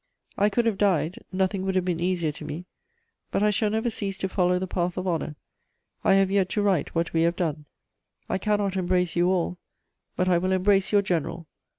"I could have died; nothing would have been easier to me; but I shall never cease to follow the path of honour. I have yet to write what we have done. "I cannot embrace you all; but I will embrace your general....